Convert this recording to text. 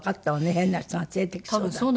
変な人が連れて行きそうだって。